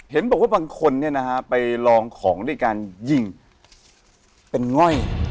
เห็นบอกว่าบางคนไปลองของด้วยการยิงเป็นง่อย